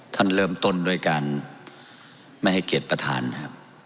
ท่านเริ่มต้นโดยการไม่ให้เกลียดประธานครับ